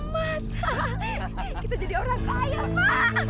mas kita jadi orang sayang mas